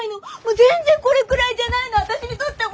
全然これぐらいじゃないの私にとっては！